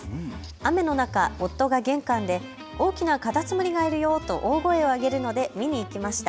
雨の中、夫が玄関で大きなカタツムリがいるよと大声を上げるので見にいきました。